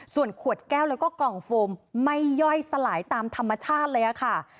ส่วนขวดแก้วแล้วก็กล่องโฟมไม่ย่อยสลายตามธรรมชาติเลยค่ะ